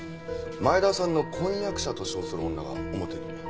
前田さんの婚約者と称する女が表に。